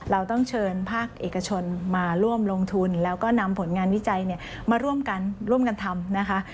เราต้องเชิญภาคเอกชนมาร่วมลงทุนแล้วก็นำผลงานดีใจมาร่วมกันทำ